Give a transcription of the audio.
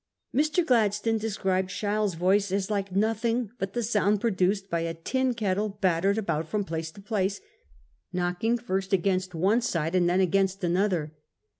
Mr. Gladstone described Shell's voice as like nothing but the sound produced by ' a tin kettle battered about from place to place,' knocking first against one side and then against another.